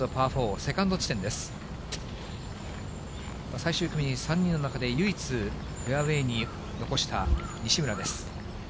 最終組３人の中で、唯一、フェアウエーに残した西村です。